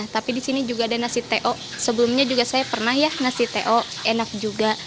tapi di sini juga ada nasi to sebelumnya juga saya pernah ya nasi to enak juga